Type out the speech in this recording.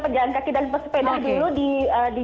pejalan kaki dan bersepeda dulu di